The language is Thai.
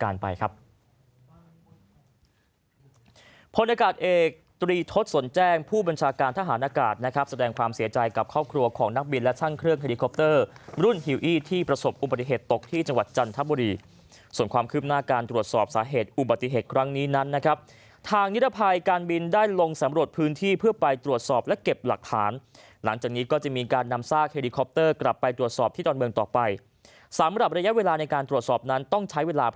รุ่นฮิวอี้ที่ประสบอุบัติเหตุตกที่จังหวัดจันทบุรีส่วนความคืบหน้าการตรวจสอบสาเหตุอุบัติเหตุครั้งนี้นั้นนะครับทางนิรภัยการบินได้ลงสำรวจพื้นที่เพื่อไปตรวจสอบและเก็บหลักฐานหลังจากนี้ก็จะมีการนำซากไฮรี่โคปเตอร์กลับไปตรวจสอบที่ตอนเมืองต่อไปสำหรับระยะเวลาในการตรวจ